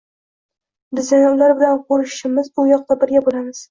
Biz yana ular bilan ko‘rishamiz, u yoqda birga bo‘lamiz